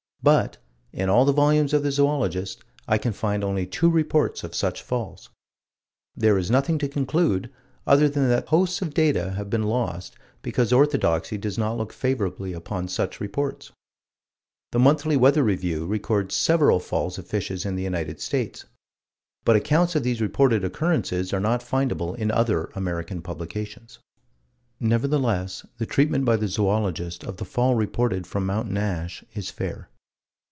But, in all the volumes of the Zoologist, I can find only two reports of such falls. There is nothing to conclude other than that hosts of data have been lost because orthodoxy does not look favorably upon such reports. The Monthly Weather Review records several falls of fishes in the United States; but accounts of these reported occurrences are not findable in other American publications. Nevertheless, the treatment by the Zoologist of the fall reported from Mountain Ash is fair.